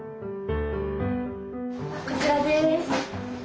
こちらです。